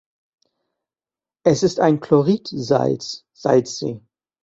Es ist ein Chloridsalz-Salzsee.